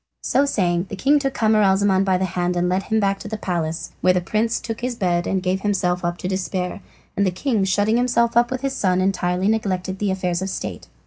So saying the king took Camaralzaman by the hand and led him back to the palace, where the prince took to his bed and gave himself up to despair, and the king shutting himself up with his son entirely neglected the affairs of state.